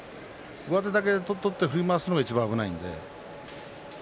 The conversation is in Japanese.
上手だけ取っていて振り回すといちばん危ないんです。